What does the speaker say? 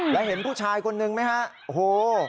แล้วเห็นผู้ชายคนนึงไหมฮะโอ้โห